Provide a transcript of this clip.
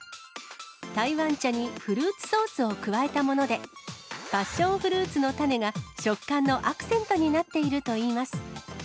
台湾茶にフルーツソースを加えたもので、パッションフルーツの種が食感のアクセントになっているといいます。